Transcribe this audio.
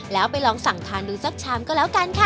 แล้วไปลองสั่งทานดูสักชามก็แล้วกันค่ะ